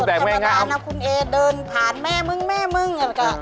เดินผ่านแม่มึงแม่มึงแม่มึง